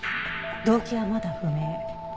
動機はまだ不明。